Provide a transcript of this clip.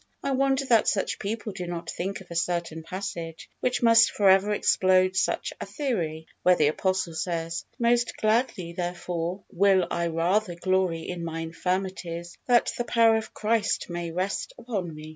I wonder that such people do not think of a certain passage, which must forever explode such a theory, where the Apostle says, "Most gladly therefore will I rather glory in my infirmities, that the power of Christ may rest upon me."